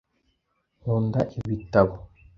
Nkunda ibitabo .